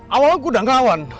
awalnya aku udah ngawan